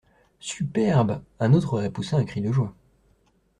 Superbe ! un autre aurait poussé un cri de joie…